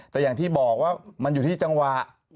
แต่อย่างที่บอกว่ามันอยู่ที่จังหวะ